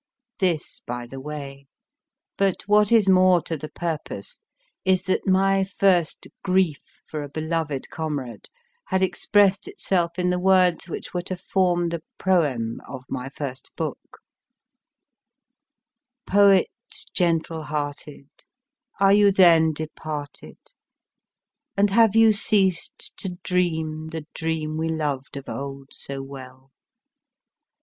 This by the way ; but what is more to the purpose is that my first grief for a beloved comrade had expressed itself in the words which were to form the proem of my first book Poet gentle hearted, Are you then departed, And have you ceased to dream the dream we loved of old so well